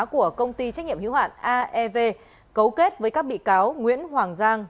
của công ty trách nhiệm hiếu hạn aev cấu kết với các bị cáo nguyễn hoàng giang